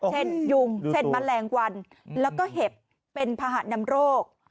เช่นยุงเช่นมะแรงวันแล้วก็เห็บเป็นพหัสนำโรค